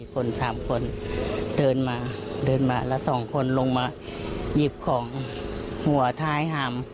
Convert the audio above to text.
คน๓คนเดินมาเดินมาแล้ว๒คนลงมาหยิบของหัวท้ายหาม